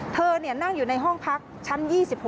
เธอนั่งอยู่ในห้องพักชั้น๒๖